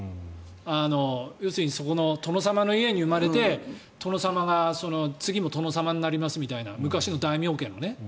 要するに殿様の家に生まれて殿様が次の殿様になりますみたいな昔の大名家のね。